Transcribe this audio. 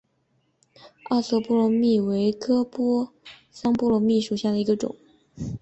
二色波罗蜜为桑科波罗蜜属下的一个种。